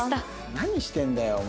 何してんだよお前。